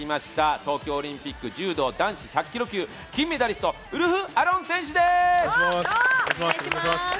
東京オリンピック柔道男子１００キロ級金メダリスト、ウルフ・アロン選手です。